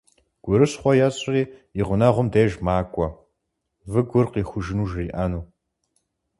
Гурыщхъуэ ещӀри и гъунэгъум и деж макӀуэ, выгур къихужыну жриӏэну.